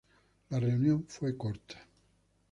La reunión fue corta.